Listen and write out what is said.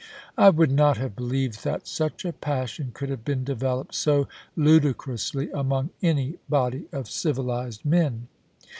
I would not have beheved that such a passion could have been developed so ludicrously among any body of civihzed men.